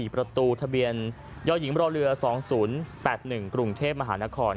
ประตูทะเบียนยหญิงบรเรือ๒๐๘๑กรุงเทพมหานคร